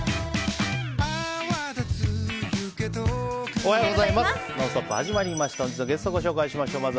おはようございます。